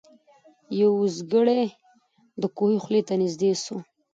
یو اوزګړی د کوهي خولې ته نیژدې سو